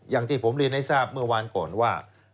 อย่างที่ผมเรียนให้ทราบเมื่อวานก่อนว่า